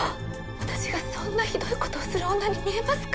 私がそんなひどいことをする女に見えますか？